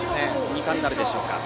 ２冠なるでしょうか。